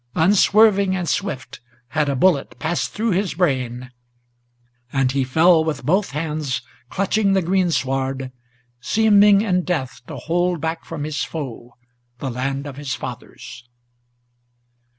Unswerving and swift had a bullet Passed through his brain, and he fell with both hands clutching the greensward, Seeming in death to hold back from his foe the land of his fathers.